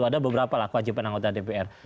ada beberapa lah kewajiban anggota dpr